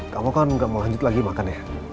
kamu kan gak mau lanjut lagi makan ya